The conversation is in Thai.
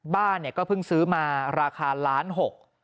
บ้านเนี่ยก็เพิ่งซื้อมาราคาล้านหก